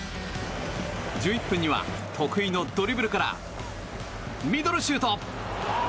１１分には、得意のドリブルからミドルシュート。